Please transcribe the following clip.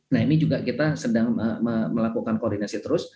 nah ini juga kita sedang melakukan koordinasi terus